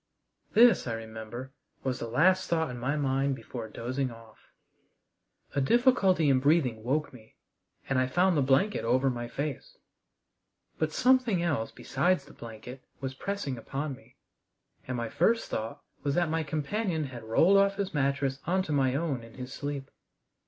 This, I remember, was the last thought in my mind before dozing off. A difficulty in breathing woke me, and I found the blanket over my face. But something else besides the blanket was pressing upon me, and my first thought was that my companion had rolled off his mattress on to my own in his sleep.